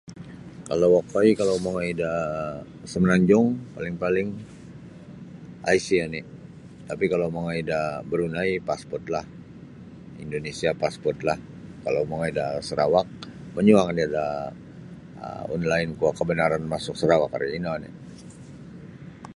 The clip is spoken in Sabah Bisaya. Kalau okoi kalau mongoi daa Semenanjung paling-paling IC oni' tapi kalau mongoi da Brunei pasportlah Indonesia pasportlah kalau mongoi da Sarawak manyuang oni da um online kuo kabanaran masuk Sarawak ri ino oni'.